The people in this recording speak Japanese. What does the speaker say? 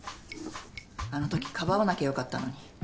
あのときかばわなきゃ良かったのに。